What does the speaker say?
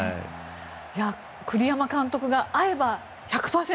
栗山監督が会えば１００％